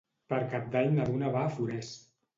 Per Cap d'Any na Duna va a Forès.